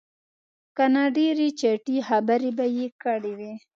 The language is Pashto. که نه ډېرې چټي خبرې به یې کړې وې.